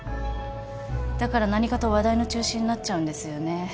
だから何かと話題の中心になっちゃうんですよね。